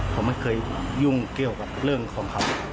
ผมไม่เคยยุ่งเกี่ยวกับเรื่องของเขา